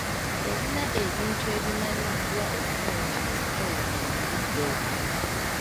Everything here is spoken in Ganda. Yalina ebintu ebimanyiddwa obulungi bye yakoleranga mu budde obwo.